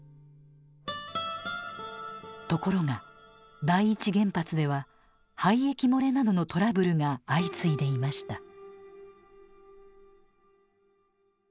ところが第一原発では廃液漏れなどのトラブルが相次いでいました。